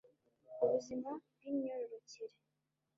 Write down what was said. ubuzima bw imyororokere